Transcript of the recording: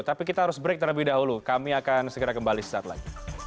tapi kita harus break terlebih dahulu kami akan segera kembali sesaat lagi